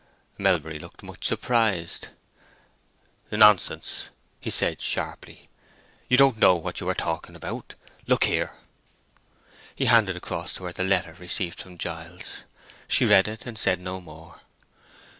Melbury looked much surprised. "Nonsense," he said, sharply. "You don't know what you are talking about. Look here." He handed across to her the letter received from Giles. She read it, and said no more.